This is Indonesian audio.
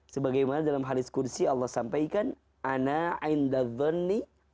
sebagaimana dalam hadis kursi allah sampaikan